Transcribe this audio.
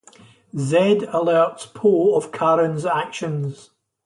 Zed alerts Poe of Karen's actions.